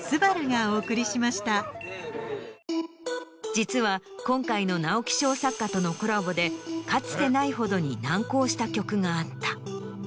実は今回の直木賞作家とのコラボでかつてないほどに難航した曲があった。